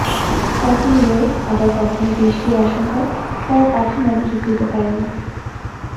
কখনো রোদ আবার কখনো বৃষ্টির আশঙ্কায় তারা পাঠে মনোযোগ দিতে পারে না।